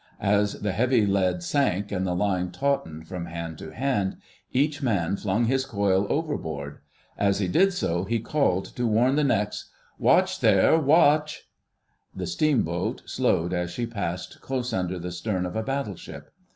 As the heavy lead sank and the line tautened from hand to hand, each man flung his coil overboard. As he did so he called to warn the next— "Watch there, watch!" The steamboat, slowed as she passed close under the stern of a battleship.